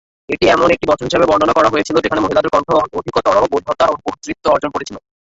এটি এমন একটি বছর হিসাবে বর্ণনা করা হয়েছিল, যেখানে মহিলাদের কণ্ঠ অধিকতর বৈধতা ও কর্তৃত্ব অর্জন করেছিল।